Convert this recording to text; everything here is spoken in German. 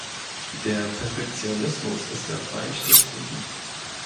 Der Perfektionismus ist der Feind des Guten.